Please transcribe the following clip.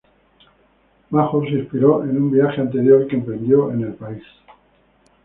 Major se inspiró en un viaje anterior que emprendió en el país.